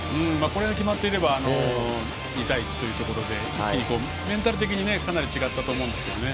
これが決まっていれば２対１ということで一気にメンタル的にかなり違ったと思うんですけどね。